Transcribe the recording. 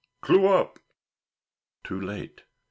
Clew up!" Too late.